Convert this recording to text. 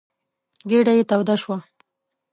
ګېډه يې توده شوه.